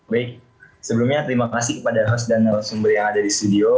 baik sebelumnya terima kasih kepada host dan narasumber yang ada di studio